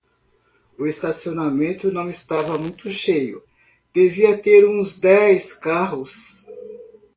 O estacionamento não estava muito cheio, devia ter uns dez carros.